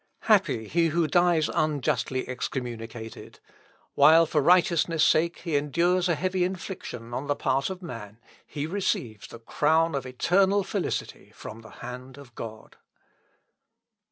Happy he who dies unjustly excommunicated! While for righteousness' sake he endures a heavy infliction on the part of man, he receives the crown of eternal felicity from the hand of God."